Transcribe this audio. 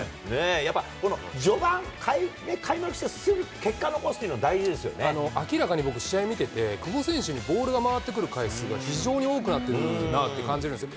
やっぱ、この序盤、開幕して、すぐ結果残すっていうの、大事で明らかに僕、試合見てて、久保選手にボールが回ってくる回数が、非常に多くなってるなって感じるんですよ。